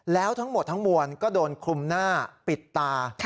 แล้วทั้งหมดทั้งมวลก็โดนคลุมหน้าปิดตา